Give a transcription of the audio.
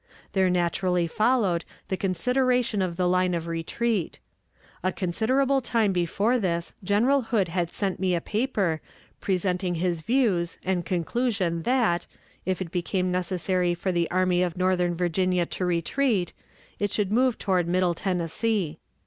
There naturally followed the consideration of the line of retreat. A considerable time before this General Hood had sent me a paper, presenting his views and conclusion that, if it became necessary for the Army of Northern Virginia to retreat, it should move toward Middle Tennessee.